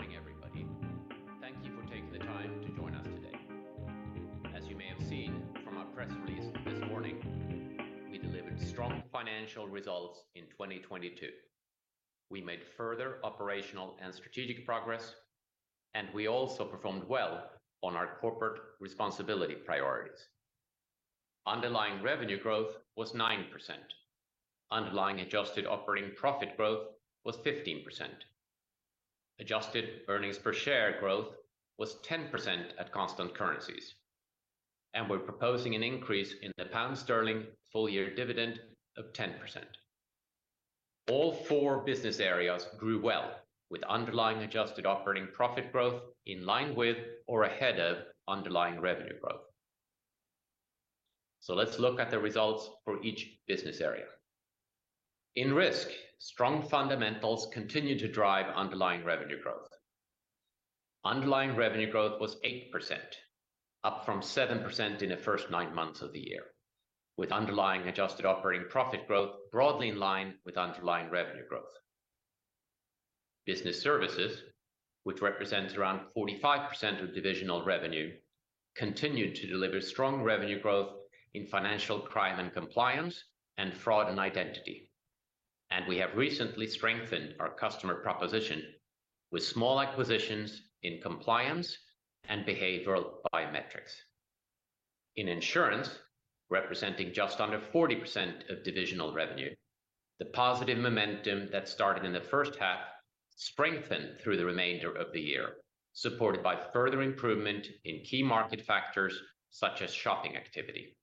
Good morning, everybody. Thank you for taking the time to join us today. As you may have seen from our press release this morning, we delivered strong financial results in 2022. We made further operational and strategic progress. We also performed well on our corporate responsibility priorities. Underlying revenue growth was 9%. Underlying adjusted operating profit growth was 15%. Adjusted earnings per share growth was 10% at constant currencies. We're proposing an increase in the pound sterling full year dividend of 10%. All four business areas grew well, with underlying adjusted operating profit growth in line with or ahead of underlying revenue growth. Let's look at the results for each business area. In Risk, strong fundamentals continued to drive underlying revenue growth. Underlying revenue growth was 8%, up from 7% in the first 9 months of the year, with underlying adjusted operating profit growth broadly in line with underlying revenue growth. Business Services, which represents around 45% of divisional revenue, continued to deliver strong revenue growth in Financial Crime and Compliance and Fraud and Identity. We have recently strengthened our customer proposition with small acquisitions in compliance and behavioral biometrics. In Insurance, representing just under 40% of divisional revenue, the positive momentum that started in the first half strengthened through the remainder of the year, supported by further improvement in key market factors such as shopping activity.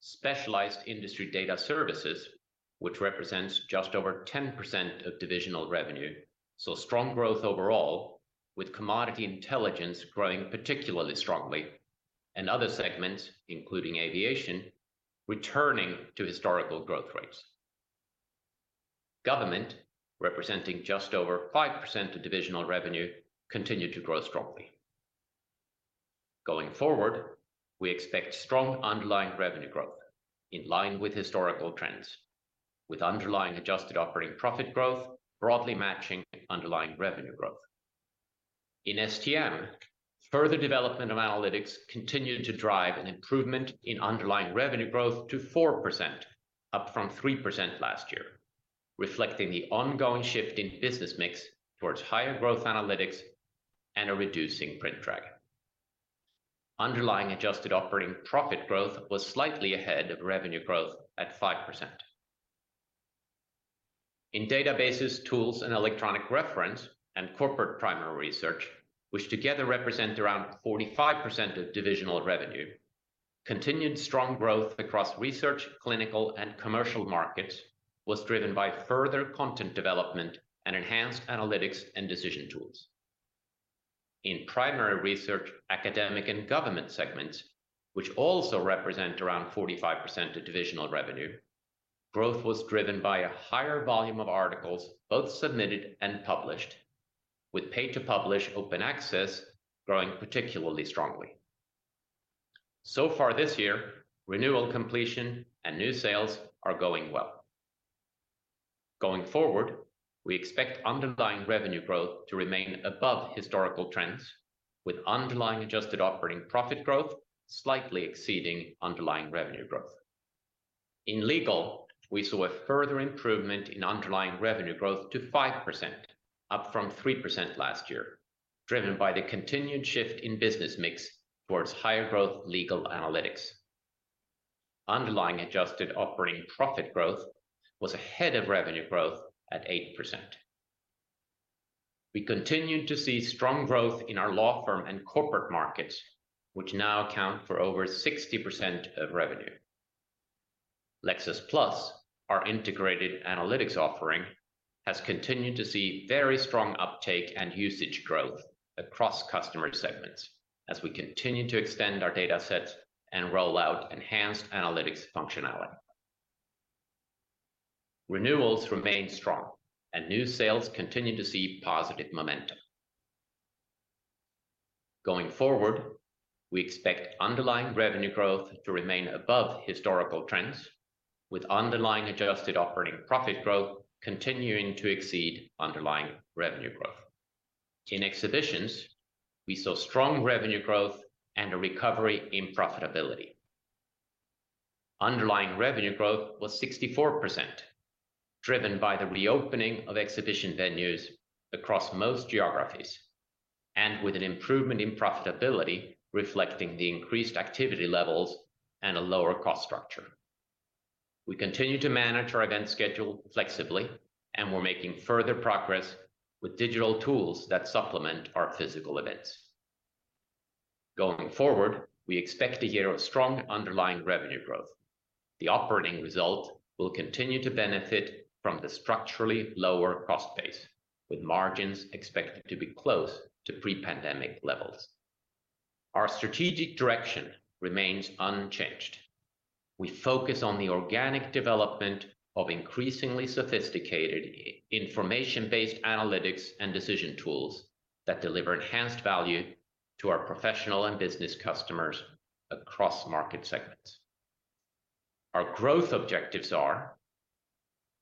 Specialised Industry Data Services, which represents just over 10% of divisional revenue, saw strong growth overall, with commodity intelligence growing particularly strongly and other segments, including aviation, returning to historical growth rates. Government, representing just over 5% of divisional revenue, continued to grow strongly. Going forward, we expect strong underlying revenue growth in line with historical trends, with underlying adjusted operating profit growth broadly matching underlying revenue growth. In STM, further development of analytics continued to drive an improvement in underlying revenue growth to 4% up from 3% last year, reflecting the ongoing shift in business mix towards higher growth analytics and a reducing print drag. Underlying adjusted operating profit growth was slightly ahead of revenue growth at 5%. In Databases, Tools & Electronic Reference, and Corporate Primary Research, which together represent around 45% of divisional revenue, continued strong growth across research, clinical, and commercial markets was driven by further content development and enhanced analytics and decision tools. In Primary Research, Academic and Government segments, which also represent around 45% of divisional revenue, growth was driven by a higher volume of articles both submitted and published, with pay to publish open access growing particularly strongly. This year, renewal completion and new sales are going well. Going forward, we expect underlying revenue growth to remain above historical trends, with underlying adjusted operating profit growth slightly exceeding underlying revenue growth. In Legal, we saw a further improvement in underlying revenue growth to 5% up from 3% last year, driven by the continued shift in business mix towards higher growth legal analytics. Underlying adjusted operating profit growth was ahead of revenue growth at 8%. We continued to see strong growth in our law firm and corporate markets, which now account for over 60% of revenue. Lexis+, our integrated analytics offering, has continued to see very strong uptake and usage growth across customer segments as we continue to extend our data set and roll out enhanced analytics functionality. Renewals remain strong and new sales continue to see positive momentum. Going forward, we expect underlying revenue growth to remain above historical trends, with underlying adjusted operating profit growth continuing to exceed underlying revenue growth. In Exhibitions, we saw strong revenue growth and a recovery in profitability. Underlying revenue growth was 64%, driven by the reopening of exhibition venues across most geographies and with an improvement in profitability reflecting the increased activity levels and a lower cost structure. We continue to manage our event schedule flexibly, and we're making further progress with digital tools that supplement our physical events. Going forward, we expect a year of strong underlying revenue growth. The operating result will continue to benefit from the structurally lower cost base, with margins expected to be close to pre-pandemic levels. Our strategic direction remains unchanged. We focus on the organic development of increasingly sophisticated information-based analytics and decision tools that deliver enhanced value to our professional and business customers across market segments. Our growth objectives are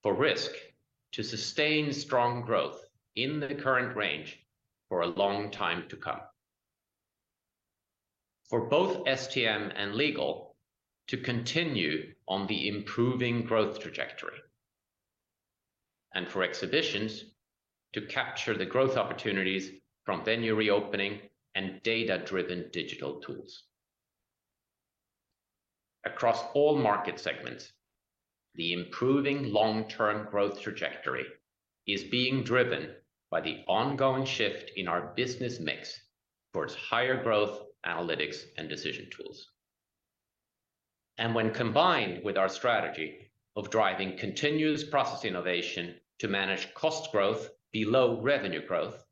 for Risk to sustain strong growth in the current range for a long time to come. For both STM and Legal to continue on the improving growth trajectory, and for Exhibitions to capture the growth opportunities from venue reopening and data-driven digital tools. Across all market segments, the improving long-term growth trajectory is being driven by the ongoing shift in our business mix towards higher growth analytics and decision tools. When combined with our strategy of driving continuous process innovation to manage cost growth below revenue growth,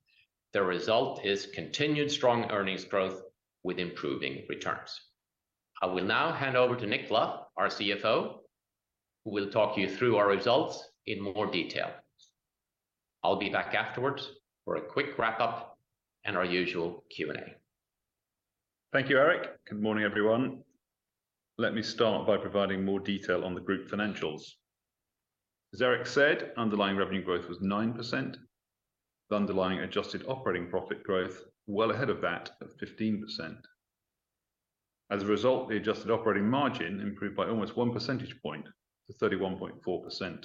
the result is continued strong earnings growth with improving returns. I will now hand over to Nicholas our CFO, who will talk you through our results in more detail. I'll be back afterwards for a quick wrap-up and our usual Q&A. Thank you, Erik. Good morning, everyone. Let me start by providing more detail on the group financials. As Erik said, underlying revenue growth was 9%. The underlying adjusted operating profit growth well ahead of that at 15%. As a result, the adjusted operating margin improved by almost 1% point to 31.4%.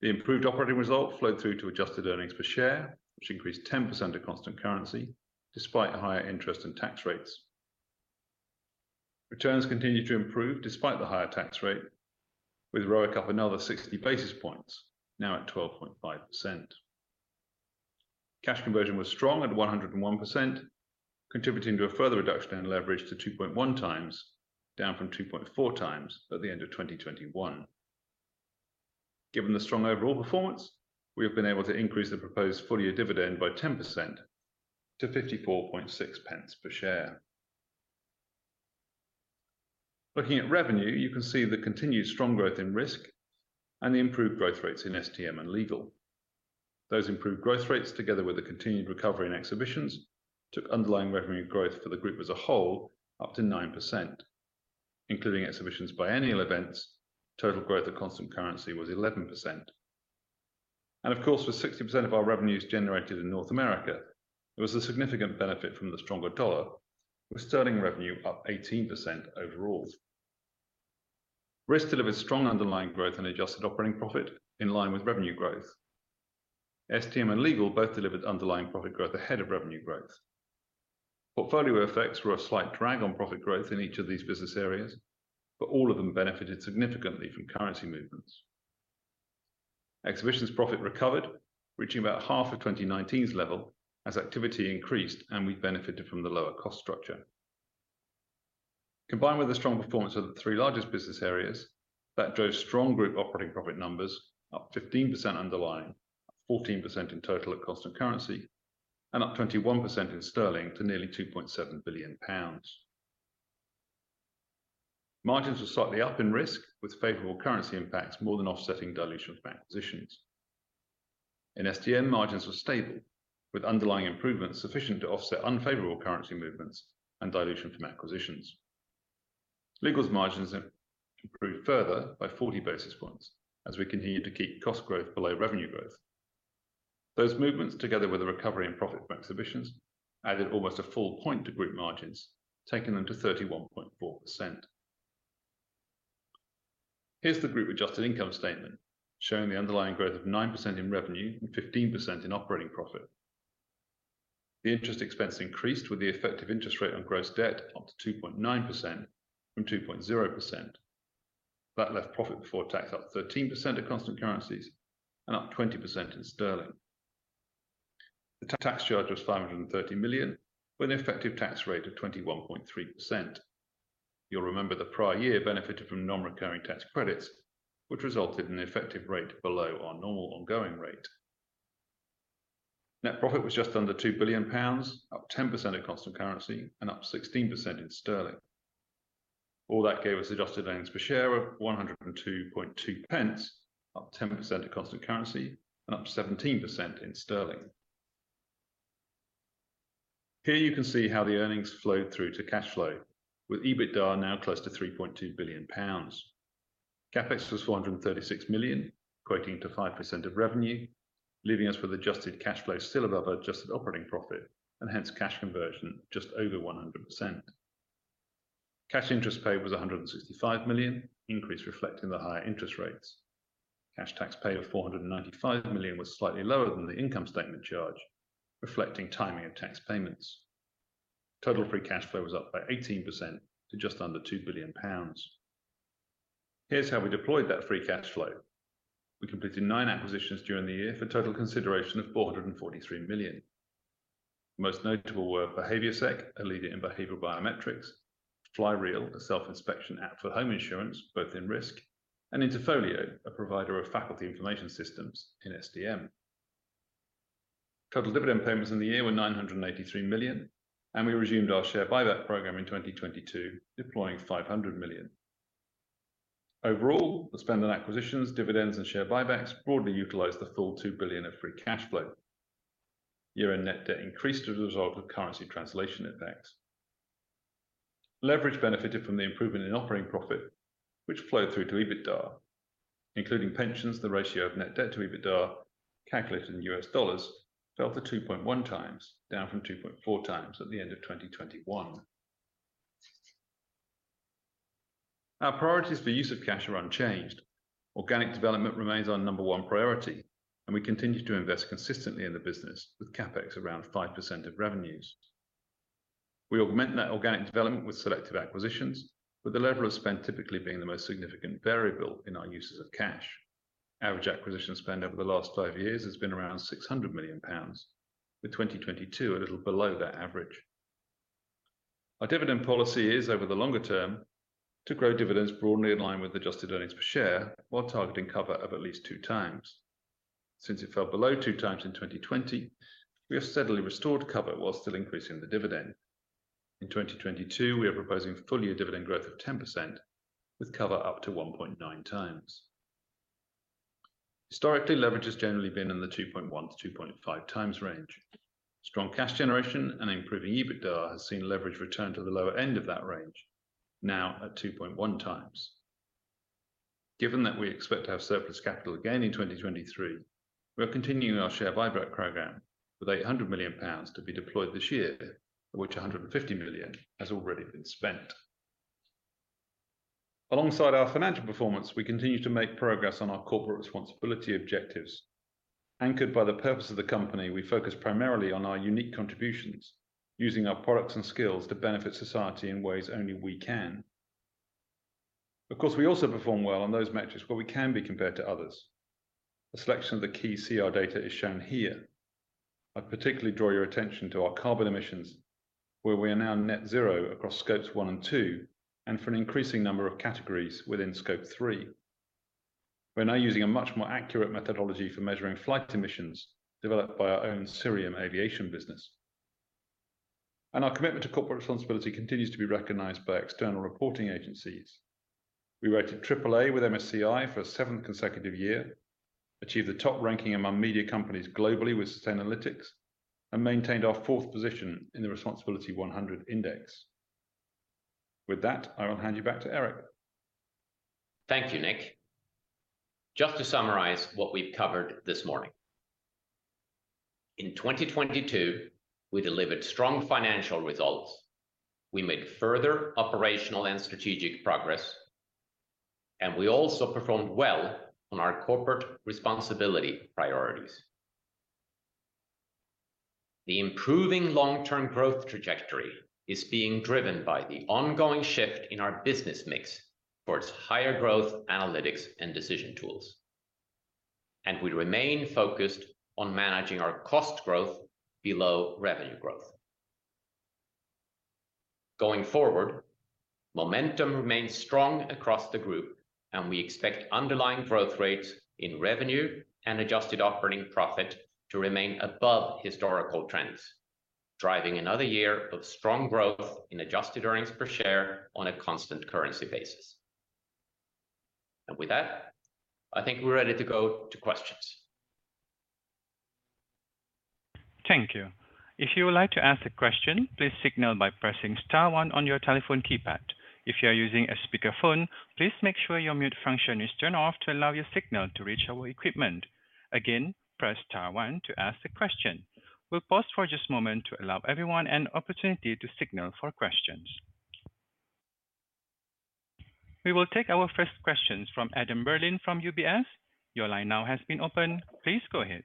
The improved operating result flowed through to adjusted earnings per share, which increased 10% at constant currency despite higher interest and tax rates. Returns continued to improve despite the higher tax rate, with ROIC up another 60 basis points, now at 12.5%. Cash conversion was strong at 101%, contributing to a further reduction in leverage to 2.1x, down from 2.4x at the end of 2021. Given the strong overall performance, we have been able to increase the proposed full-year dividend by 10% to 54.6 pence per share. Looking at revenue, you can see the continued strong growth in Risk and the improved growth rates in STM and Legal. Those improved growth rates, together with the continued recovery in Exhibitions, took underlying revenue growth for the group as a whole up to 9%, including Exhibitions biennial events, total growth at constant currency was 11%. Of course, with 60% of our revenues generated in North America, there was a significant benefit from the stronger dollar, with sterling revenue up 18% overall. Risk delivered strong underlying growth and adjusted operating profit in line with revenue growth. STM and Legal both delivered underlying profit growth ahead of revenue growth. Portfolio effects were a slight drag on profit growth in each of these business areas, but all of them benefited significantly from currency movements. Exhibitions profit recovered, reaching about half of 2019's level as activity increased, and we benefited from the lower cost structure. Combined with the strong performance of the three largest business areas that drove strong group operating profit numbers up 15% underlying, 14% in total at cost of currency, and up 21% in sterling to nearly 2.7 billion pounds. Margins were slightly up in Risk, with favorable currency impacts more than offsetting dilution from acquisitions. In STM, margins were stable, with underlying improvements sufficient to offset unfavorable currency movements and dilution from acquisitions. Legal's margins have improved further by 40 basis points as we continue to keep cost growth below revenue growth. Those movements, together with a recovery in profit from Exhibitions, added almost a full point to group margins, taking them to 31.4%. Here's the group-adjusted income statement showing the underlying growth of 9% in revenue and 15% in operating profit. The interest expense increased with the effective interest rate on gross debt up to 2.9% from 2.0%. Profit before tax up 13% at constant currencies and up 20% in sterling. The tax charge was 530 million, with an effective tax rate of 21.3%. You'll remember the prior year benefited from non-recurring tax credits, which resulted in the effective rate below our normal ongoing rate. Net profit was just under 2 billion pounds, up 10% at constant currency and up 16% in sterling. All that gave us adjusted earnings per share of 1.022, up 10% at constant currency and up 17% in sterling. Here you can see how the earnings flowed through to cash flow with EBITDA now close to 3.2 billion pounds. CapEx was 436 million, equating to 5% of revenue, leaving us with adjusted cash flow still above adjusted operating profit and hence cash conversion just over 100%. Cash interest paid was 165 million, increase reflecting the higher interest rates. Cash tax paid of 495 million was slightly lower than the income statement charge, reflecting timing of tax payments. Total free cash flow was up by 18% to just under 2 billion pounds. Here's how we deployed that free cash flow. We completed 9 acquisitions during the year for total consideration of $443 million. Most notable were BehavioSec, a leader in behavioral biometrics, Flyreel, a self-inspection app for home insurance, both in Risk, and Interfolio, a provider of faculty information systems in STM. Total dividend payments in the year were $983 million, and we resumed our share buyback program in 2022, deploying $500 million. Overall, the spend on acquisitions, dividends, and share buybacks broadly utilized the full $2 billion of free cash flow. Year-end net debt increased as a result of currency translation impacts. Leverage benefited from the improvement in operating profit which flowed through to EBITDA. Including pensions, the ratio of net debt to EBITDA calculated in US dollars fell to 2.1x, down from 2.4x at the end of 2021. Our priorities for use of cash are unchanged. Organic development remains our number one priority, and we continue to invest consistently in the business with CapEx around 5% of revenues. We augment that organic development with selective acquisitions, with the level of spend typically being the most significant variable in our uses of cash. Average acquisition spend over the last five years has been around 600 million pounds, with 2022 a little below that average. Our dividend policy is, over the longer term, to grow dividends broadly in line with adjusted earnings per share while targeting cover of at least 2x. Since it fell below 2x in 2020, we have steadily restored cover while still increasing the dividend. In 2022, we are proposing full year dividend growth of 10% with cover up to 1.9x. Historically, leverage has generally been in the 2.1-2.5x range. Strong cash generation and improving EBITDA has seen leverage return to the lower end of that range, now at 2.1x. Given that we expect to have surplus capital again in 2023, we are continuing our share buyback program with 800 million pounds to be deployed this year, of which 150 million has already been spent. Alongside our financial performance, we continue to make progress on our corporate responsibility objectives. Anchored by the purpose of the company, we focus primarily on our unique contributions using our products and skills to benefit society in ways only we can. Of course, we also perform well on those metrics where we can be compared to others. A selection of the key CR data is shown here. I'd particularly draw your attention to our carbon emissions, where we are now net zero across Scopes 1 and 2, and for an increasing number of categories within Scope 3. We're now using a much more accurate methodology for measuring flight emissions developed by our own Cirium aviation business. Our commitment to corporate responsibility continues to be recognized by external reporting agencies. We rated AAA with MSCI for a seventh consecutive year, achieved the top ranking among media companies globally with Sustainalytics, and maintained our fourth position in the Responsibility100 Index. With that, I will hand you back to Erik. Thank you, Nicholas. Just to summarize what we've covered this morning. In 2022, we delivered strong financial results. We made further operational and strategic progress. We also performed well on our corporate responsibility priorities. The improving long-term growth trajectory is being driven by the ongoing shift in our business mix towards higher growth analytics and decision tools, and we remain focused on managing our cost growth below revenue growth. Going forward, momentum remains strong across the group, and we expect underlying growth rates in revenue and adjusted operating profit to remain above historical trends, driving another year of strong growth in adjusted earnings per share on a constant currency basis. With that, I think we're ready to go to questions. Thank you. If you would like to ask a question, please signal by pressing star one on your telephone keypad. If you are using a speakerphone, please make sure your mute function is turned off to allow your signal to reach our equipment. Again, press star one to ask a question. We will pause for just a moment to allow everyone an opportunity to signal for questions. We will take our first questions from Adam Berlin from UBS. Your line now has been opened. Please go ahead.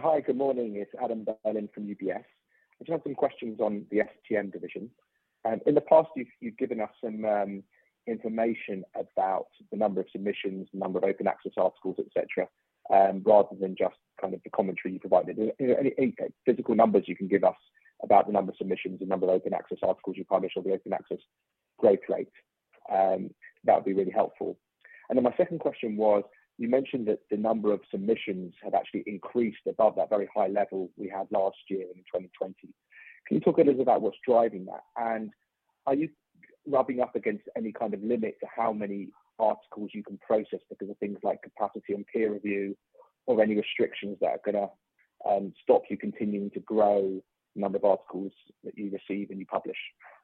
Hi, good morning. It's Adam Berlin from UBS. I just have some questions on the STM division. In the past, you've given us some information about the number of submissions, number of open access articles, et cetera, rather than just kind of the commentary you provided. Any physical numbers you can give us about the number of submissions, the number of open access articles you publish or the open access growth rate, that would be really helpful? My second question was, you mentioned that the number of submissions have actually increased above that very high level we had last year in 2020. Can you talk a little about what's driving that? Are you rubbing up against any kind of limit to how many articles you can process because of things like capacity and peer review or any restrictions that are gonna stop you continuing to grow the number of articles that you receive and you publish?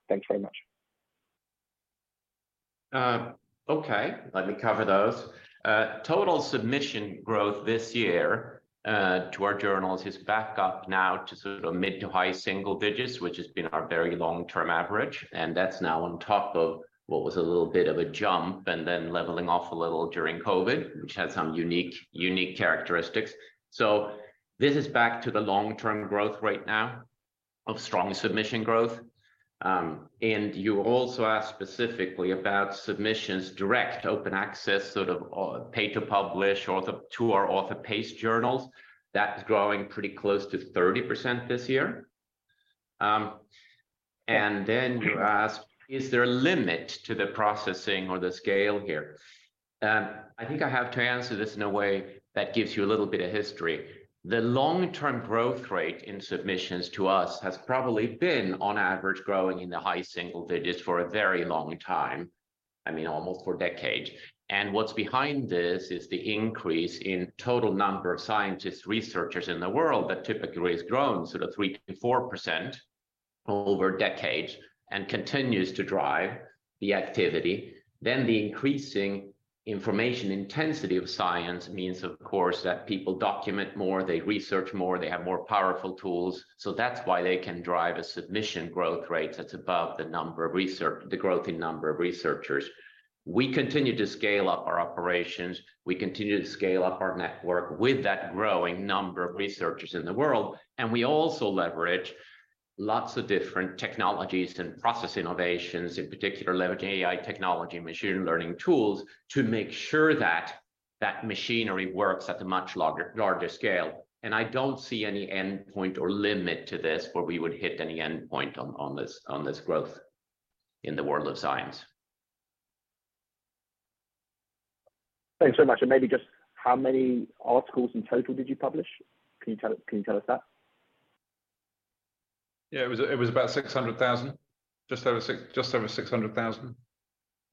Thanks very much. Okay. Let me cover those. Total submission growth this year, to our journals is back up now to sort of mid to high single digits, which has been our very long-term average. That's now on top of what was a little bit of a jump and then leveling off a little during COVID, which had some unique characteristics. This is back to the long-term growth right now of strong submission growth. You also asked specifically about submissions direct open access, sort of, pay to publish or to our author-pays journals. That is growing pretty close to 30% this year. You asked, is there a limit to the processing or the scale here? I think I have to answer this in a way that gives you a little bit of history. The long-term growth rate in submissions to us has probably been on average growing in the high single digits for a very long time. I mean, almost 4 decades. What's behind this is the increase in total number of scientists, researchers in the world that typically has grown sort of 3%-4% over decades and continues to drive the activity. The increasing information intensity of science means, of course, that people document more, they research more, they have more powerful tools. That's why they can drive a submission growth rate that's above the growth in number of researchers. We continue to scale up our operations. We continue to scale up our network with that growing number of researchers in the world. We also leverage lots of different technologies and process innovations, in particular leveraging AI technology, machine learning tools, to make sure that that machinery works at a much larger scale. I don't see any endpoint or limit to this where we would hit any endpoint on this growth in the world of science. Thanks so much. Maybe just how many articles in total did you publish? Can you tell us that? Yeah, it was about 600,000. Just over 600,000,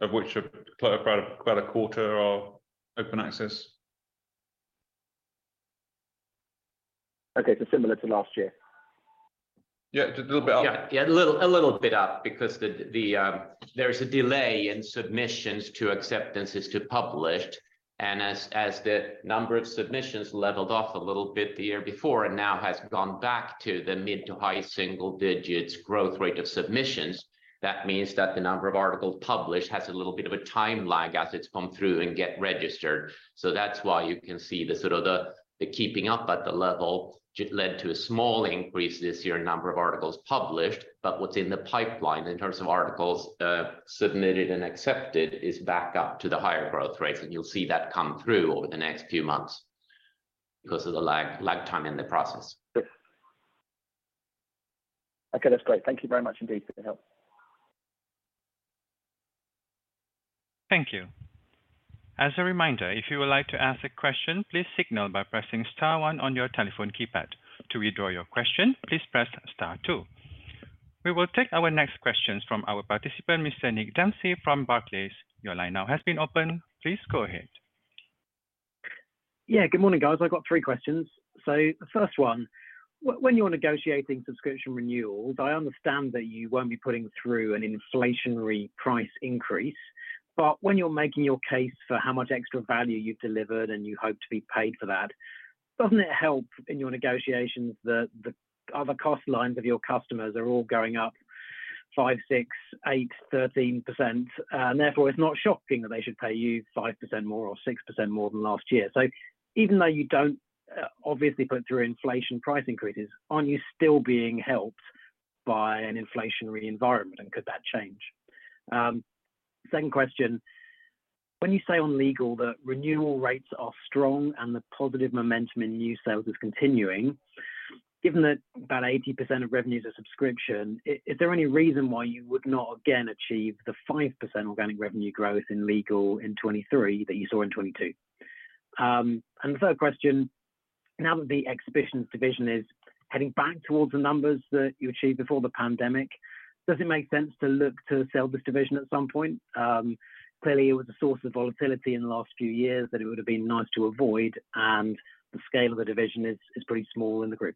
of which about a quarter are open access. Okay. Similar to last year. Yeah. Just a little bit up. Yeah. A little bit up because the there's a delay in submissions to acceptances to published. As the number of submissions leveled off a little bit the year before and now has gone back to the mid-to-high single digits growth rate of submissions, that means that the number of articles published has a little bit of a time lag as it's gone through and get registered. That's why you can see the sort of the keeping up at the level just led to a small increase this year in number of articles published. What's in the pipeline in terms of articles submitted and accepted is back up to the higher growth rates, and you'll see that come through over the next few months because of the lag time in the process. Okay. That's great. Thank you very much indeed for the help. Thank you. As a reminder, if you would like to ask a question, please signal by pressing star one on your telephone keypad. To withdraw your question, please press star two. We will take our next questions from our participant, Mr. Nick Dempsey from Barclays. Your line now has been opened. Please go ahead. Yeah. Good morning, guys. I've got three questions. when you're negotiating subscription renewals, I understand that you won't be putting through an inflationary price increase. when you're making your case for how much extra value you've delivered and you hope to be paid for that, doesn't it help in your negotiations that the other cost lines of your customers are all going up 5%, 6%, 8%, 13%, and therefore, it's not shocking that they should pay you 5% more or 6% more than last year? even though you don't obviously put through inflation price increases, aren't you still being helped by an inflationary environment, and could that change? second question. When you say on Legal that renewal rates are strong and the positive momentum in new sales is continuing, given that about 80% of revenues are subscription, is there any reason why you would not again achieve the 5% organic revenue growth in Legal in 2023 that you saw in 2022? The third question, now that the Exhibitions division is heading back towards the numbers that you achieved before the pandemic, does it make sense to look to sell this division at some point? Clearly, it was a source of volatility in the last few years that it would have been nice to avoid, and the scale of the division is pretty small in the group.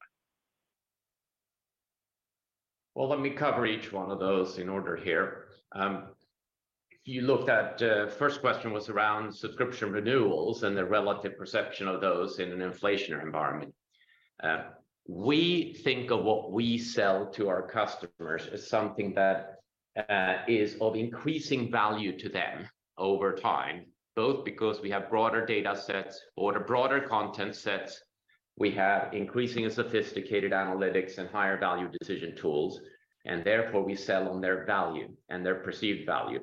Well, let me cover each one of those in order here. If you looked at, first question was around subscription renewals and the relative perception of those in an inflationary environment. We think of what we sell to our customers as something that is of increasing value to them over time, both because we have broader data sets or the broader content sets. We have increasing and sophisticated analytics and higher value decision tools, and therefore, we sell on their value and their perceived value.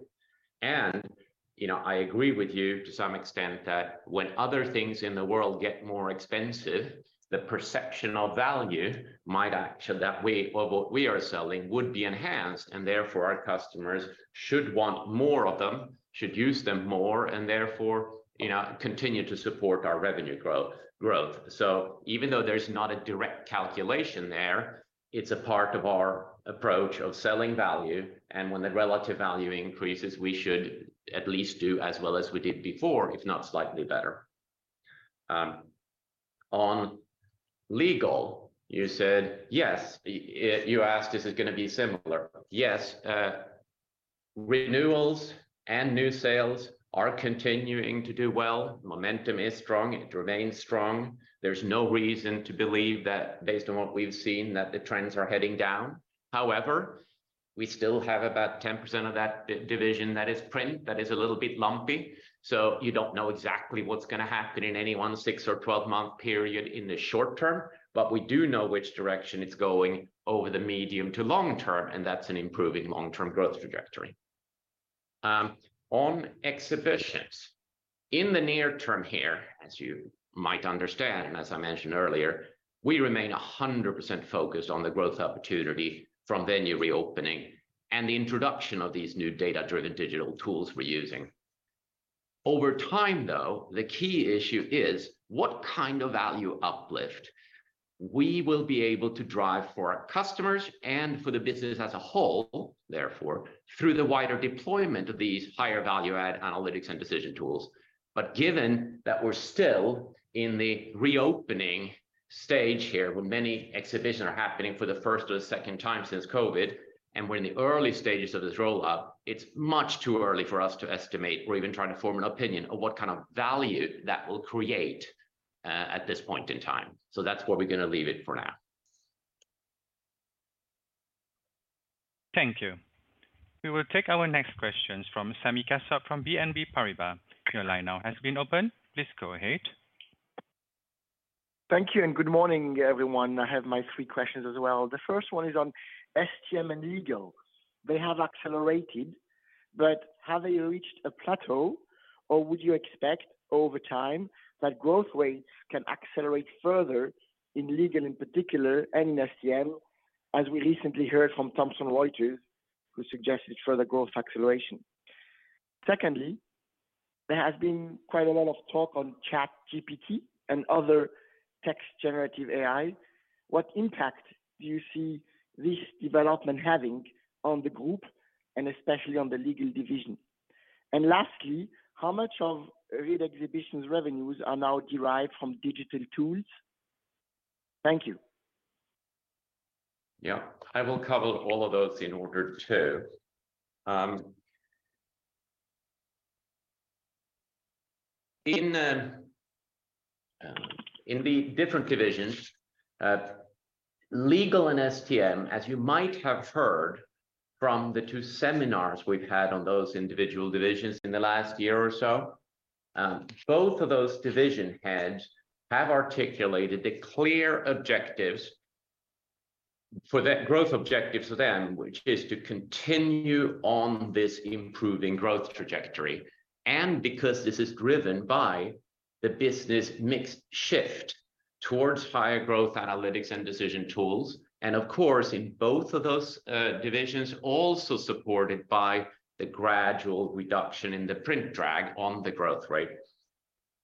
You know, I agree with you to some extent that when other things in the world get more expensive, the perception of value that we or what we are selling would be enhanced, and therefore our customers should want more of them, should use them more, and therefore, you know, continue to support our revenue growth. Even though there's not a direct calculation there, it's a part of our approach of selling value. When the relative value increases, we should at least do as well as we did before, if not slightly better. On Legal, you said, yes. You asked, is it gonna be similar? Yes. Renewals and new sales are continuing to do well. Momentum is strong. It remains strong. There's no reason to believe that based on what we've seen, that the trends are heading down. However, we still have about 10% of that division that is print, that is a little bit lumpy. You don't know exactly what's gonna happen in any one 6 or 12-month period in the short term. We do know which direction it's going over the medium to long term, and that's an improving long-term growth trajectory. On Exhibitions. In the near term here, as you might understand, and as I mentioned earlier, we remain 100% focused on the growth opportunity from venue reopening and the introduction of these new data-driven digital tools we're using. Over time though, the key issue is what kind of value uplift we will be able to drive for our customers and for the business as a whole, therefore, through the wider deployment of these higher value add analytics and decision tools. Given that we're still in the reopening stage here, where many Exhibitions are happening for the first or second time since COVID, and we're in the early stages of this roll up, it's much too early for us to estimate or even try to form an opinion of what kind of value that will create at this point in time. That's where we're gonna leave it for now. Thank you. We will take our next questions from Sami Kassab from BNP Paribas. Your line now has been opened. Please go ahead. Thank you, and good morning, everyone. I have my 3 questions as well. The first one is on STM and Legal. They have accelerated. Have they reached a plateau, or would you expect over time that growth rates can accelerate further in Legal in particular and in STM, as we recently heard from Thomson Reuters, who suggested further growth acceleration? Secondly, there has been quite a lot of talk on ChatGPT and other text generative AI. What impact do you see this development having on the group, and especially on the Legal division? Lastly, how much of Reed Exhibitions revenues are now derived from digital tools? Thank you. Yeah. I will cover all of those in order too. In the different divisions, Legal and STM, as you might have heard from the two seminars we've had on those individual divisions in the last year or so, both of those division heads have articulated the clear growth objectives for them, which is to continue on this improving growth trajectory. Because this is driven by the business mix shift towards higher growth analytics and decision tools, and of course, in both of those, divisions, also supported by the gradual reduction in the print drag on the growth rate.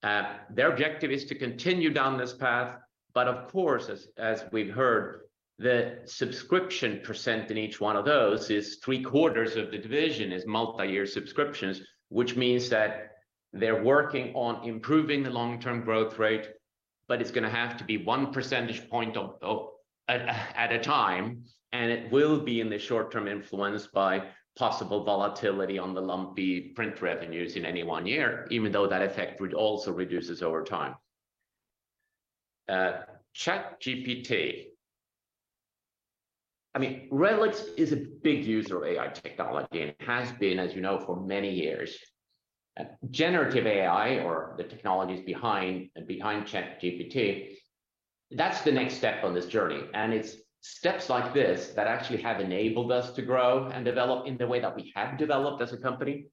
Their objective is to continue down this path, but of course, as we've heard, the subscription percentage in each 1 of those is 3 quarters of the division is multi-year subscriptions, which means that they're working on improving the long-term growth rate, but it's gonna have to be 1% point of at a time, and it will be in the short term influenced by possible volatility on the lumpy print revenues in any 1 year, even though that effect would also reduces over time. ChatGPT. I mean, RELX is a big user of AI technology and has been, as you know, for many years. generative AI or the technologies behind ChatGPT, that's the next step on this journey. It's steps like this that actually have enabled us to grow and develop in the way that we have developed as a company.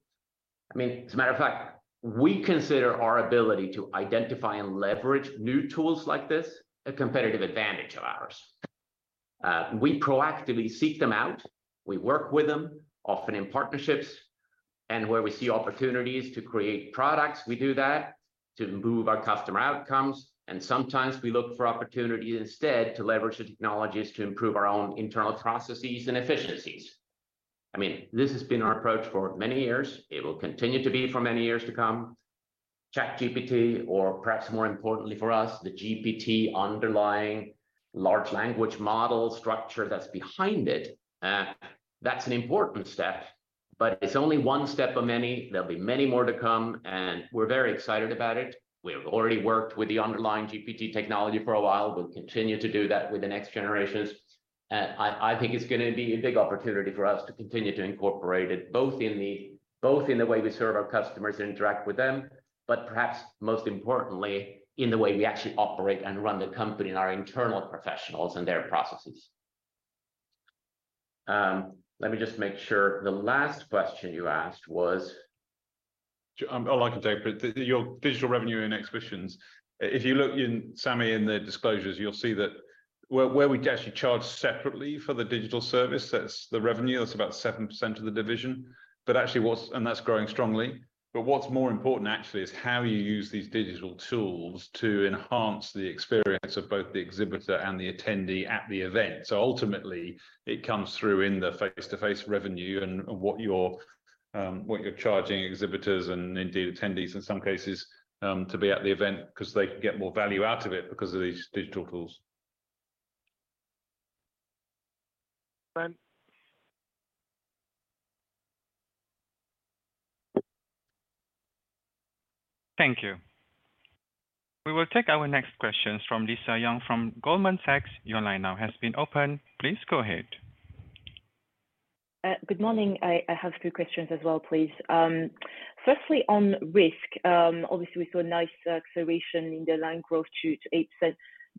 I mean, as a matter of fact, we consider our ability to identify and leverage new tools like this a competitive advantage of ours. We proactively seek them out. We work with them, often in partnerships. Where we see opportunities to create products, we do that to move our customer outcomes. Sometimes we look for opportunities instead to leverage the technologies to improve our own internal processes and efficiencies. I mean, this has been our approach for many years. It will continue to be for many years to come. ChatGPT, or perhaps more importantly for us, the GPT underlying large language model structure that's behind it, that's an important step, but it's only one step of many. There'll be many more to come, and we're very excited about it. We've already worked with the underlying GPT technology for a while. We'll continue to do that with the next generations. I think it's gonna be a big opportunity for us to continue to incorporate it, both in the way we serve our customers and interact with them, but perhaps most importantly, in the way we actually operate and run the company and our internal professionals and their processes. Let me just make sure. The last question you asked was? I'd like to take it. Your digital revenue in Exhibitions. If you look in, Sami, in the disclosures, you'll see that where we actually charge separately for the digital service, that's the revenue. That's about 7% of the division. Actually that's growing strongly. What's more important actually is how you use these digital tools to enhance the experience of both the exhibitor and the attendee at the event. Ultimately, it comes through in the face-to-face revenue and what you're charging exhibitors and indeed attendees in some cases, to be at the event because they can get more value out of it because of these digital tools. Thanks. Thank you. We will take our next questions from Lisa Yang from Goldman Sachs. Your line now has been opened. Please go ahead. Good morning. I have two questions as well, please. Firstly, on Risk, obviously we saw a nice acceleration in the line growth to 8%.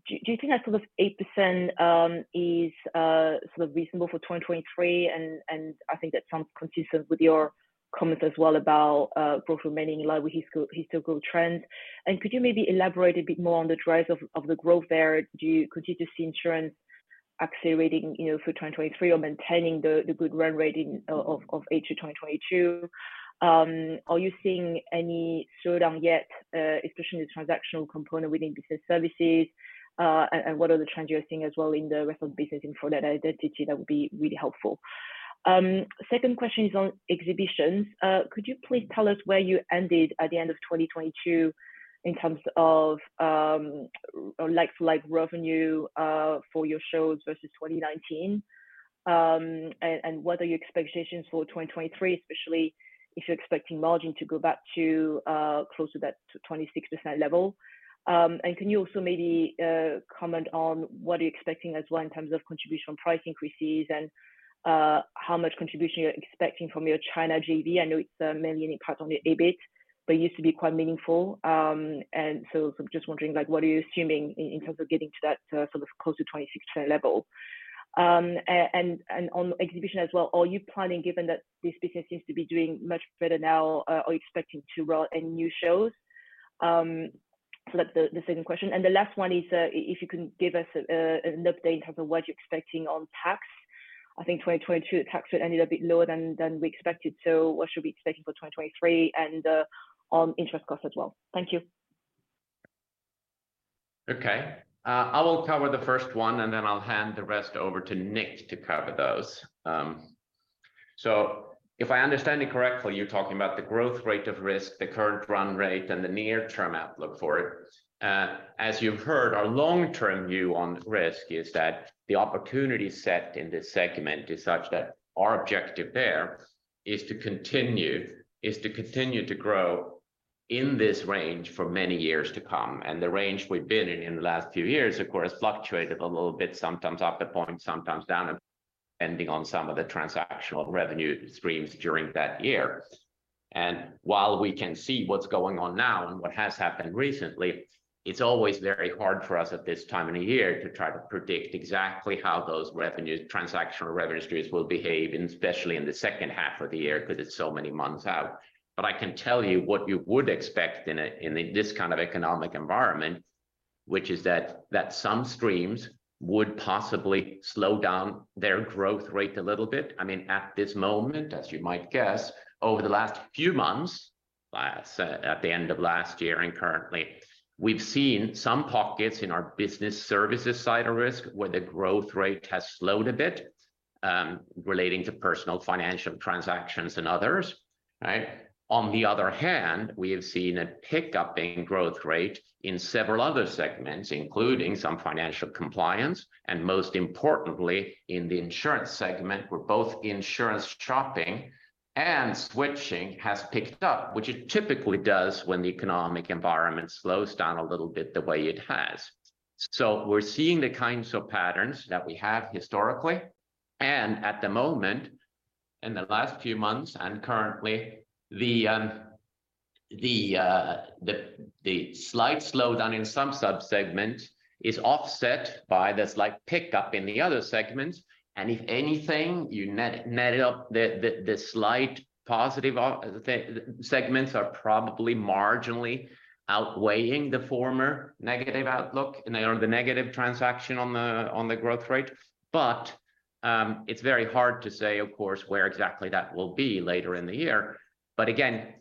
Do you think that sort of 8% is sort of reasonable for 2023? I think that sounds consistent with your comments as well about growth remaining in line with historical trends. Could you maybe elaborate a bit more on the drivers of the growth there? Could you just ensure accelerating, you know, for 2023 or maintaining the good run rating of H2 2022. Are you seeing any slowdown yet, especially in the transactional component within Business Services? What are the trends you're seeing as well in the rest of the business and for net identity? That would be really helpful. Second question is on Exhibitions. Could you please tell us where you ended at the end of 2022 in terms of like-for-like revenue for your shows versus 2019? What are your expectations for 2023, especially if you're expecting margin to go back to close to that 26% level? Can you also maybe comment on what are you expecting as well in terms of contribution price increases and how much contribution you're expecting from your China JV? I know it's a mainly unique part on your EBIT, but it used to be quite meaningful. Sort of just wondering like what are you assuming in terms of getting to that sort of close to 26% level. On exhibition as well, are you planning, given that this business seems to be doing much better now, are you expecting to roll any new shows? That's the second question. The last one is if you can give us an update in terms of what you're expecting on tax. I think 2022 the tax rate ended a bit lower than we expected. What should we be expecting for 2023 and on interest costs as well? Thank you. Okay. I will cover the first one, and then I'll hand the rest over to Nicholas to cover those. If I understand it correctly, you're talking about the growth rate of Risk, the current run rate, and the near term outlook for it. As you've heard, our long-term view on Risk is that the opportunity set in this segment is such that our objective there is to continue to grow in this range for many years to come. The range we've been in the last few years, of course, fluctuated a little bit, sometimes up a point, sometimes down, depending on some of the transactional revenue streams during that year. While we can see what's going on now and what has happened recently, it's always very hard for us at this time in the year to try to predict exactly how those transactional revenue streams will behave, and especially in the second half of the year 'cause it's so many months out. I can tell you what you would expect in this kind of economic environment, which is that some streams would possibly slow down their growth rate a little bit. I mean, at this moment, as you might guess, over the last few months, so at the end of last year and currently, we've seen some pockets in our Business Services side of Risk where the growth rate has slowed a bit, relating to personal financial transactions and others. Right? On the other hand, we have seen a pick-upping growth rate in several other segments, including some financial compliance, and most importantly in the Insurance segment, where both insurance shopping and switching has picked up, which it typically does when the economic environment slows down a little bit the way it has. We're seeing the kinds of patterns that we have historically, and at the moment, in the last few months and currently, the slight slowdown in some sub-segments is offset by the slight pickup in the other segments. If anything, you net it up the slight positive the segments are probably marginally outweighing the former negative outlook, and they are the negative transaction on the growth rate. It's very hard to say, of course, where exactly that will be later in the year. Again,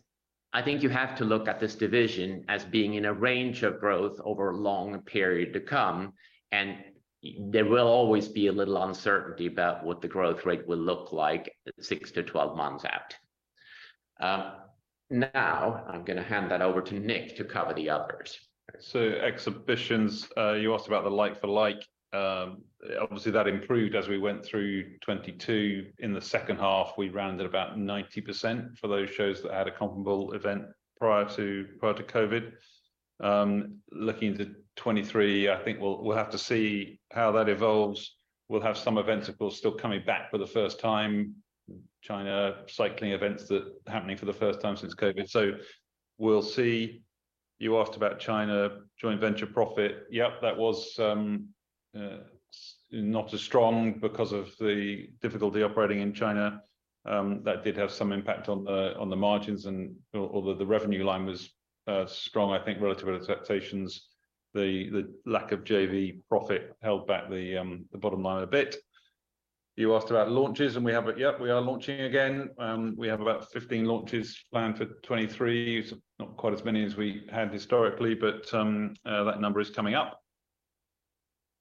I think you have to look at this division as being in a range of growth over a long period to come, and there will always be a little uncertainty about what the growth rate will look like 6-12 months out. Now I'm gonna hand that over to Nicholas to cover the others. Exhibitions, you asked about the like-for-like. Obviously that improved as we went through 2022. In the second half, we rounded about 90% for those shows that had a comparable event prior to COVID. Looking into 2023, I think we'll have to see how that evolves. We'll have some events, of course, still coming back for the first time. China cycling events that are happening for the first time since COVID. We'll see. You asked about China joint venture profit. Yep, that was not as strong because of the difficulty operating in China. That did have some impact on the margins and although the revenue line was strong, I think relative to expectations, the lack of JV profit held back the bottom line a bit. You asked about launches. Yep, we are launching again. We have about 15 launches planned for 2023. Not quite as many as we had historically, but that number is coming up.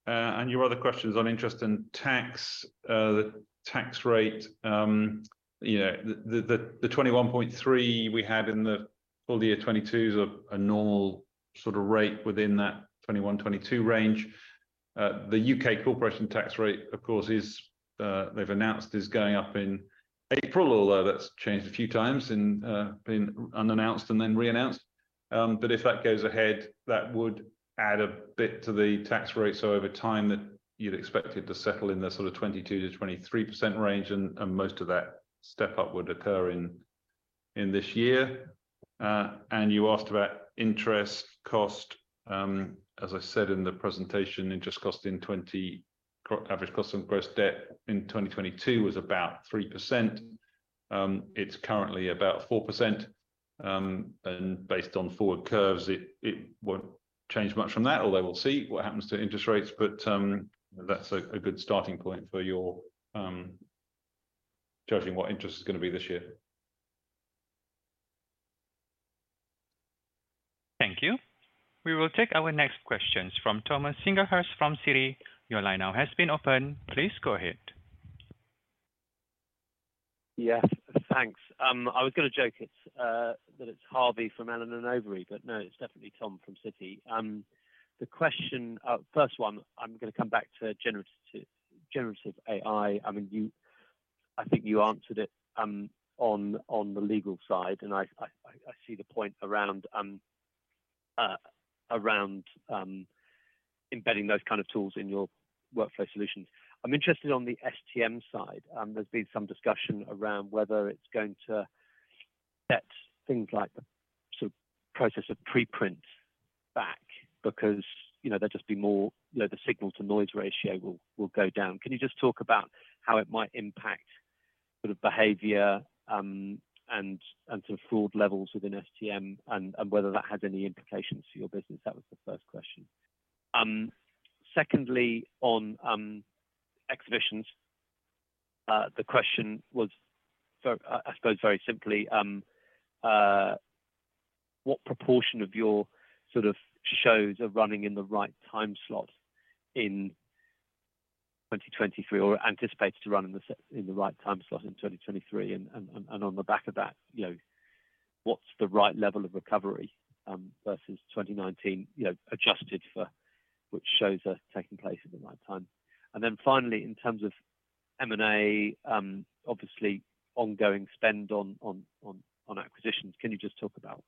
Your other questions on interest and tax. The tax rate, you know, the 21.3 we had in the full year 2022 is a normal sort of rate within that 21-22 range. The U.K. corporation tax rate, of course, is they've announced is going up in April, although that's changed a few times and been unannounced and then reannounced. If that goes ahead, that would add a bit to the tax rate. Over time that you'd expect it to settle in the sort of 22%-23% range and most of that step-up would occur in this year. You asked about interest cost. As I said in the presentation, interest cost in average cost on gross debt in 2022 was about 3%. It's currently about 4%, and based on forward curves, it won't change much from that, although we'll see what happens to interest rates. That's a good starting point for your judging what interest is gonna be this year. Thank you. We will take our next questions from Thomas Singlehurst from Citi. Your line now has been opened, please go ahead. Yes, thanks. I was gonna joke it's that it's Harvey from Allen & Overy, but no, it's definitely Thomas from Citi. The question. First one, I'm gonna come back to generative AI. I mean, you I think you answered it on the legal side, and I see the point around embedding those kind of tools in your workflow solutions. I'm interested on the STM side. There's been some discussion around whether it's going to set things like the sort of process of preprints back because, you know, there'll just be more. You know, the signal-to-noise ratio will go down. Can you just talk about how it might impact sort of behavior, and sort of fraud levels within STM and whether that has any implications for your business? That was the first question. Secondly, on Exhibitions, the question was so, I suppose very simply, what proportion of your sort of shows are running in the right time slot in 2023 or anticipated to run in the right time slot in 2023? On the back of that, you know, what's the right level of recovery versus 2019, you know, adjusted for which shows are taking place at the right time? Then finally, in terms of M&A, obviously ongoing spend on acquisitions, can you just talk about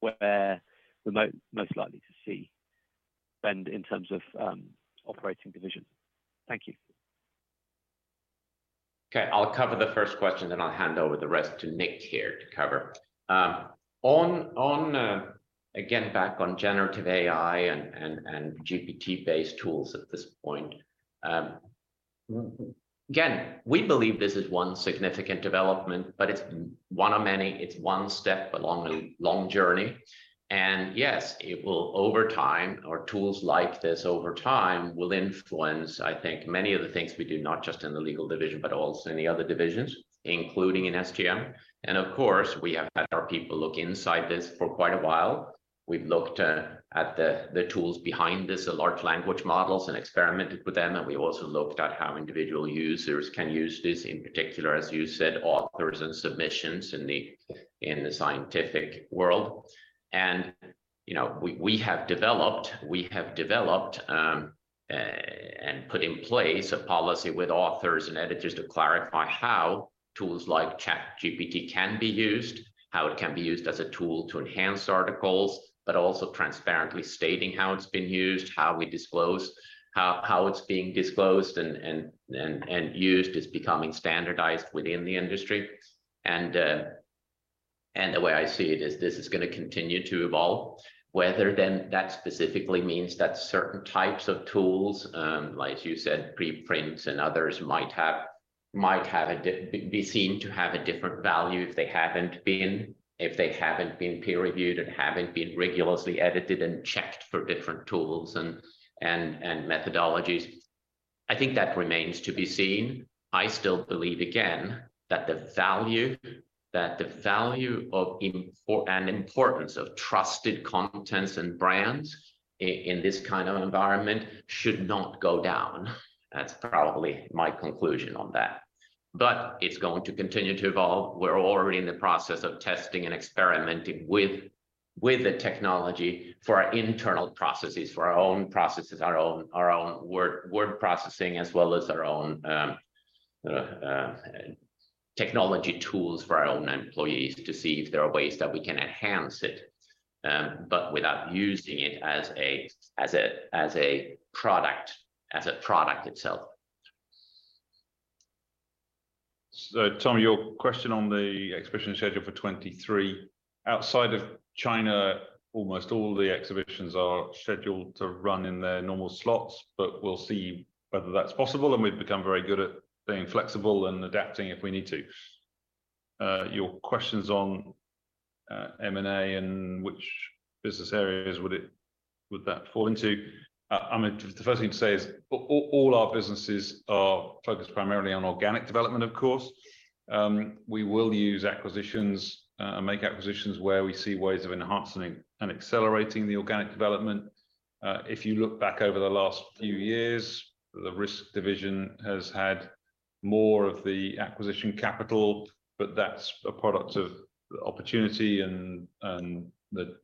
where we're most likely to see spend in terms of operating divisions? Thank you. Okay, I'll cover the first question, then I'll hand over the rest to Nicholas here to cover. On again, back on generative AI and GPT-based tools at this point, again, we believe this is one significant development, but it's one of many. It's one step, a long journey. Yes, it will over time or tools like this over time will influence, I think, many of the things we do, not just in the Legal division but also in the other divisions, including in STM. Of course, we have had our people look inside this for quite a while. We've looked at the tools behind this, the large language models, and experimented with them, and we also looked at how individual users can use this, in particular, as you said, authors and submissions in the scientific world. You know, we have developed and put in place a policy with authors and editors to clarify how tools like ChatGPT can be used, how it can be used as a tool to enhance articles, but also transparently stating how it's been used, how we disclose how it's being disclosed and used is becoming standardized within the industry. The way I see it is this is gonna continue to evolve. Whether then that specifically means that certain types of tools, like you said, preprints and others, might have be seen to have a different value if they haven't been, if they haven't been peer-reviewed and haven't been rigorously edited and checked for different tools and methodologies, I think that remains to be seen. I still believe again that the value of import and importance of trusted contents and brands in this kind of environment should not go down. That's probably my conclusion on that. It's going to continue to evolve. We're already in the process of testing and experimenting with the technology for our internal processes, for our own processes, our own word processing, as well as our own technology tools for our own employees to see if there are ways that we can enhance it, but without using it as a product itself. Thomas, your question on the Exhibition schedule for 23. Outside of China, almost all the Exhibitions are scheduled to run in their normal slots, but we'll see whether that's possible, and we've become very good at being flexible and adapting if we need to. Your questions on M&A and which business areas would that fall into, I mean, the first thing to say is all our businesses are focused primarily on organic development, of course. We will use acquisitions, make acquisitions where we see ways of enhancing and accelerating the organic development. If you look back over the last few years, the Risk division has had more of the acquisition capital, but that's a product of opportunity and the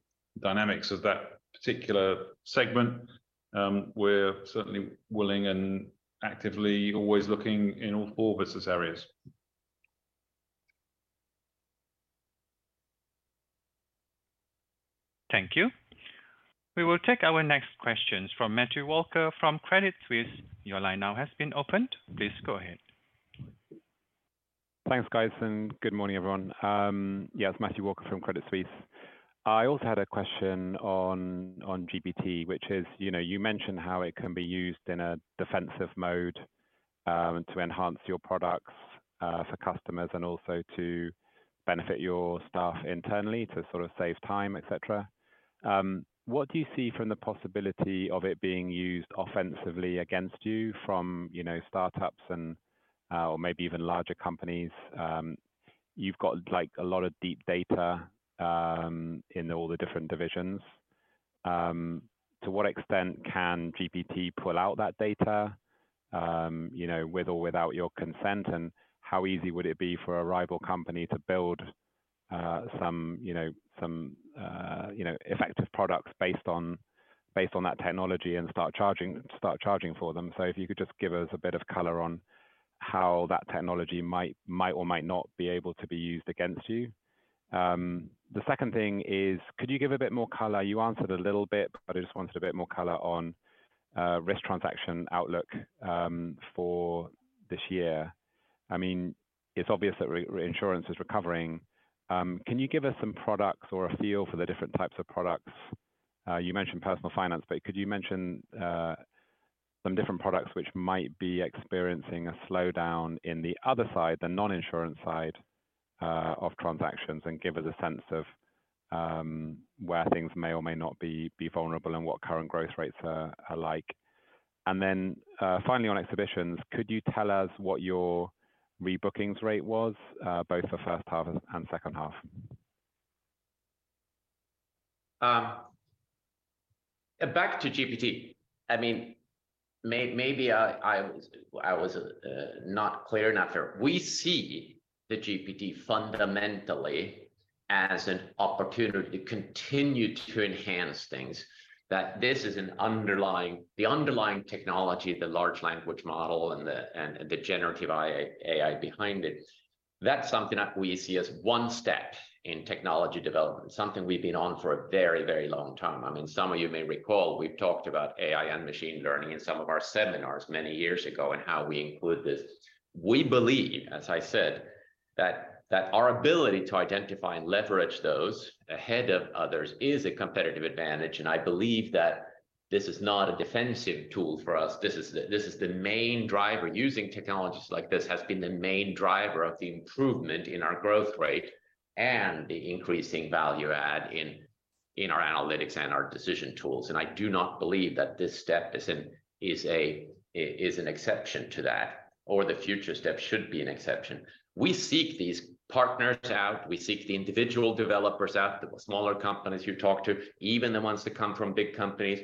dynamics of that particular segment. We're certainly willing and actively always looking in all business areas. Thank you. We will take our next questions from Matthew Walker from Credit Suisse. Your line now has been opened. Please go ahead. Thanks, guys. Good morning, everyone. It's Matthew Walker from Credit Suisse. I also had a question on GPT, which is, you know, you mentioned how it can be used in a defensive mode to enhance your products for customers and also to benefit your staff internally to sort of save time, et cetera. What do you see from the possibility of it being used offensively against you from, you know, startups and or maybe even larger companies? You've got like, a lot of deep data in all the different divisions. To what extent can GPT pull out that data, you know, with or without your consent? How easy would it be for a rival company to build some effective products based on that technology and start charging for them? If you could just give us a bit of color on how that technology might or might not be able to be used against you. The second thing is could you give a bit more color? You answered a little bit, but I just wanted a bit more color on Risk transaction outlook for this year. I mean, it's obvious that reinsurance is recovering. Can you give us some products or a feel for the different types of products? You mentioned personal finance, but could you mention some different products which might be experiencing a slowdown in the other side, the non-insurance side, of transactions, and give us a sense of where things may or may not be vulnerable and what current growth rates are like? Finally on exhibitions, could you tell us what your rebookings rate was both for first half and second half? Back to GPT. I mean, maybe I was not clear enough there. We see the GPT fundamentally as an opportunity to continue to enhance things, that this is an underlying. The underlying technology, the large language model, and the generative AI behind it, that's something that we see as one step in technology development, something we've been on for a very, very long time. I mean, some of you may recall we've talked about AI and machine learning in some of our seminars many years ago and how we include this. We believe, as I said, that our ability to identify and leverage those ahead of others is a competitive advantage. I believe that this is not a defensive tool for us. This is the main driver. Using technologies like this has been the main driver of the improvement in our growth rate and the increasing value add in our analytics and our decision tools. I do not believe that this step is an exception to that, or the future steps should be an exception. We seek these partners out. We seek the individual developers out, the smaller companies you talk to, even the ones that come from big companies.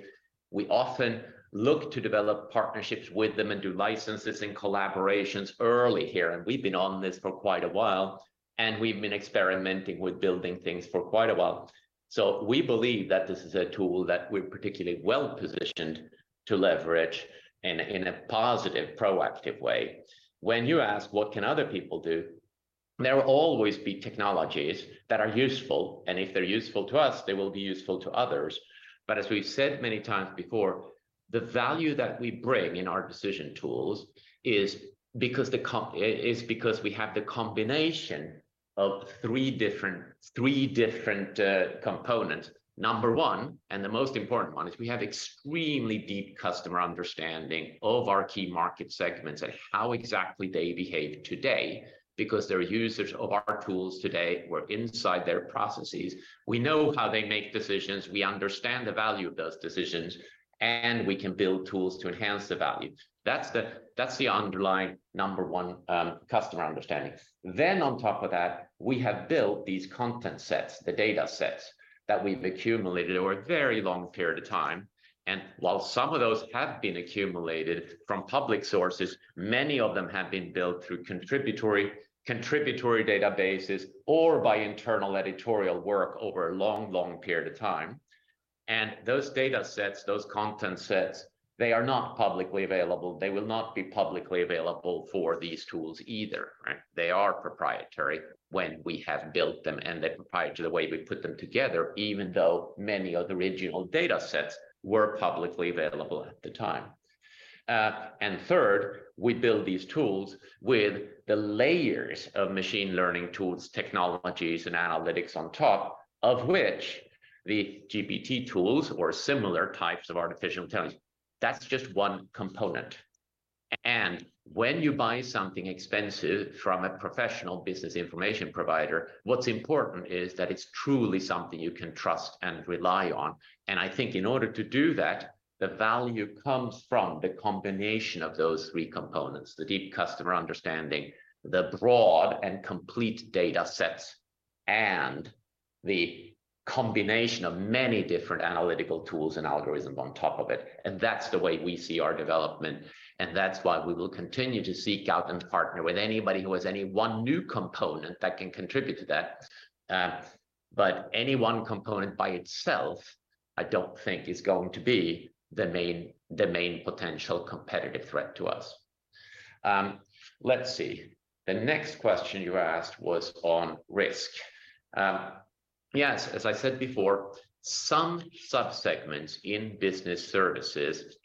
We often look to develop partnerships with them and do licenses and collaborations early here, and we've been on this for quite a while, and we've been experimenting with building things for quite a while. We believe that this is a tool that we're particularly well-positioned to leverage in a positive, proactive way. When you ask, what can other people do, there will always be technologies that are useful, and if they're useful to us, they will be useful to others. As we've said many times before, the value that we bring in our decision tools is because we have the combination of three different components. Number 1, and the most important one, is we have extremely deep customer understanding of our key market segments and how exactly they behave today because they're users of our tools today. We're inside their processes. We know how they make decisions. We understand the value of those decisions, and we can build tools to enhance the value. That's the underlying number 1 customer understanding. On top of that, we have built these content sets, the data sets that we've accumulated over a very long period of time. While some of those have been accumulated from public sources, many of them have been built through contributory databases or by internal editorial work over a long period of time. Those data sets, those content sets, they are not publicly available. They will not be publicly available for these tools either, right? They are proprietary when we have built them, and they're proprietary the way we put them together, even though many of the original data sets were publicly available at the time. Third, we build these tools with the layers of machine learning tools, technologies, and analytics on top, of which the GPT tools or similar types of artificial intelligence, that's just one component. When you buy something expensive from a professional business information provider, what's important is that it's truly something you can trust and rely on. I think in order to do that, the value comes from the combination of those three components, the deep customer understanding, the broad and complete data sets, and the combination of many different analytical tools and algorithms on top of it. That's the way we see our development, and that's why we will continue to seek out and partner with anybody who has any one new component that can contribute to that. Any one component by itself I don't think is going to be the main potential competitive threat to us. Let's see. The next question you asked was on Risk. Yes, as I said before, some sub-segments in Business Services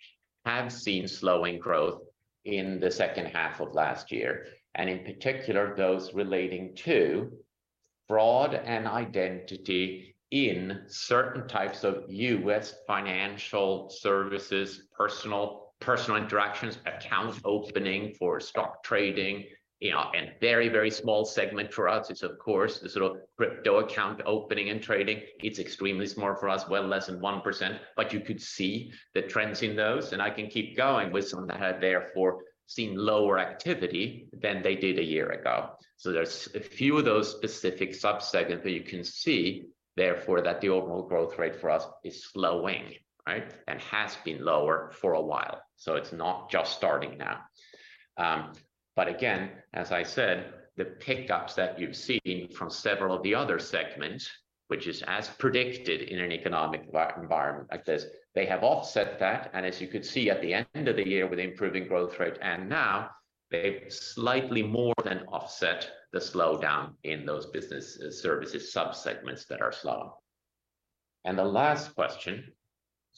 have seen slowing growth. In the second half of last year, and in particular, those relating to Fraud and Identity in certain types of U.S. Financial Services, personal interactions, account opening for stock trading, you know, and very, very small segment for us is of course the sort of crypto account opening and trading. It's extremely small for us, well less than 1%, but you could see the trends in those, and I can keep going with some that had therefore seen lower activity than they did a year ago. There's a few of those specific sub-segments that you can see, therefore, that the overall growth rate for us is slowing, right? Has been lower for a while. It's not just starting now. Again, as I said, the pickups that you've seen from several of the other segments, which is as predicted in an economic environment like this, they have offset that. As you could see at the end of the year with improving growth rate, and now they've slightly more than offset the slowdown in those Business Services sub-segments that are slow. The last question.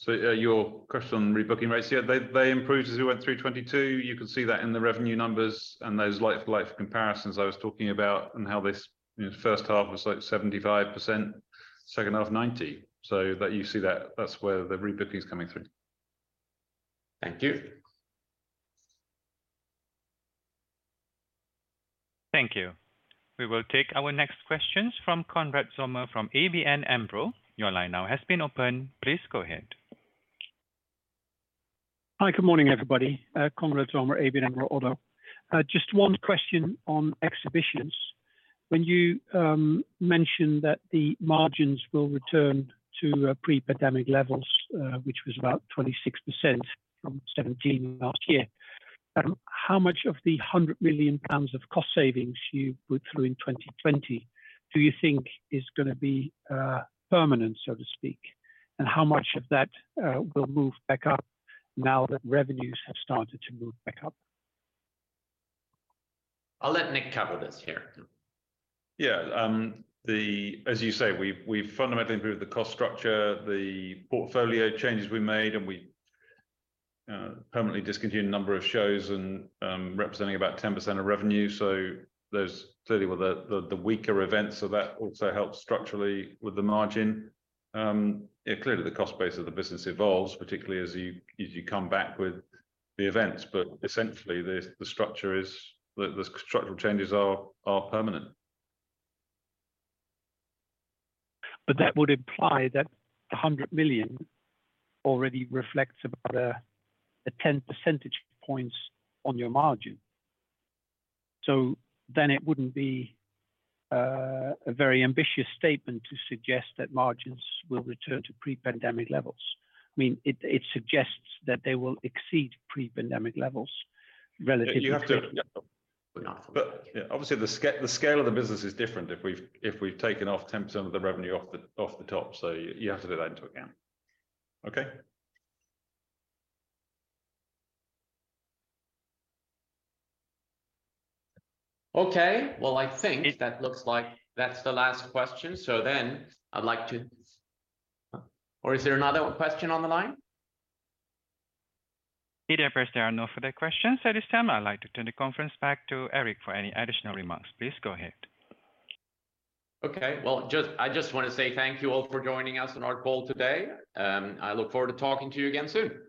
Your question on rebooking rates. Yeah, they improved as we went through 2022. You can see that in the revenue numbers and those like for like comparisons I was talking about and how this, you know, first half was like 75%, second half 90%. That you see that's where the rebooking is coming through. Thank you. Thank you. We will take our next questions from Konrad Zomer from ABN AMRO. Your line now has been opened. Please go ahead. Hi, good morning, everybody. Konrad Zomer, ABN AMRO ODDO. Just one question on Exhibitions. When you mention that the margins will return to pre-pandemic levels, which was about 26% from 17% last year, how much of the 100 million pounds of cost savings you put through in 2020 do you think is gonna be permanent, so to speak? How much of that will move back up now that revenues have started to move back up? I'll let Nicholas cover this here. Yeah. As you say, we've fundamentally improved the cost structure, the portfolio changes we made, and we permanently discontinued a number of shows and representing about 10% of revenue. Those clearly were the weaker events. That also helps structurally with the margin. Yeah, clearly the cost base of the business evolves, particularly as you, as you come back with the events. Essentially, the structure is. The structural changes are permanent. That would imply that the 100 million already reflects about a 10% points on your margin. It wouldn't be a very ambitious statement to suggest that margins will return to pre-pandemic levels. I mean, it suggests that they will exceed pre-pandemic levels relative to- You have to- Would not Yeah, obviously the scale of the business is different if we've taken off 10% of the revenue off the top. You have to do that into account. Okay. Okay. Well, I think that looks like that's the last question. I'd like to... Is there another question on the line? First, there are no further questions at this time. I'd like to turn the conference back to Erik for any additional remarks. Please go ahead. Okay. Well, I just wanna say thank you all for joining us on our call today. I look forward to talking to you again soon.